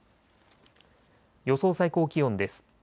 予想最高気温です。